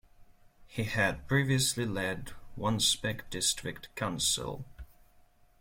He had previously led Wansbeck District Council.